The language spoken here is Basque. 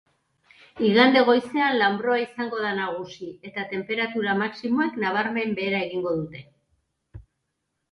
Igande goizean lanbroa izango da nagusi eta tenperatura maximoek nabarmen behera egingo dute.